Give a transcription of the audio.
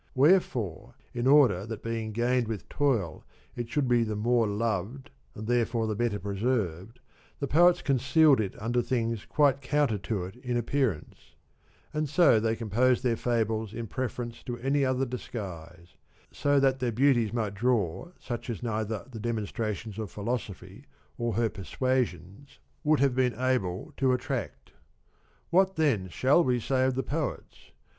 Wherefore, in order that being gained with toil it should be the more loved and therefore the better preserved, the Poets concealed it under things quite counter to it in appear ance ; and so they composed their fables in preference 71 to any other disguise, that their beauties might draw such as neither the demonstrations of philosophy nor her persuasions would have been able to attract. What then shall we say of the Poets